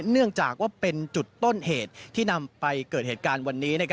เนื่องจากว่าเป็นจุดต้นเหตุที่นำไปเกิดเหตุการณ์วันนี้